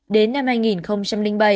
đến năm hai nghìn bảy